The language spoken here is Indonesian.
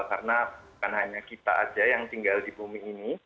karena bukan hanya kita saja yang tinggal di bumi ini